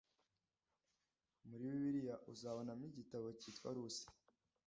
MURI Bibiliya uzabonamo igitabo cyitwa Rusi